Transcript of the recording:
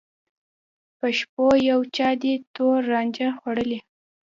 په شپو یو چا دي تور رانجه خوړلي